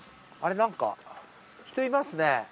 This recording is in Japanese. なんか人いますね。